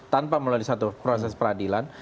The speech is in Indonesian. tanpa melalui satu proses peradilan